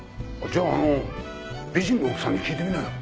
じゃああの美人の奥さんに聞いてみなよ。